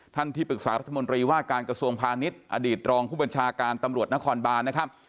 ที่ปรึกษารัฐมนตรีว่าการกระทรวงพาณิชย์อดีตรองผู้บัญชาการตำรวจนครบานนะครับ